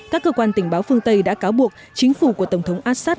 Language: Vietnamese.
các cơ quan tình báo phương tây đã cáo buộc chính phủ của tổng thống assad